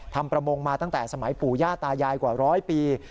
ประมงมาตั้งแต่สมัยปู่ย่าตายายกว่าร้อยปี